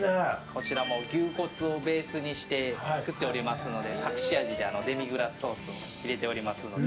こちらも牛骨をベースにして作っておりますので隠し味でデミグラスソースを入れておりますので。